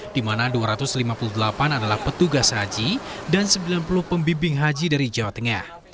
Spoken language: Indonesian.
di mana dua ratus lima puluh delapan adalah petugas haji dan sembilan puluh pembimbing haji dari jawa tengah